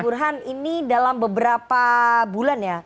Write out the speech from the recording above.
burhan ini dalam beberapa bulan ya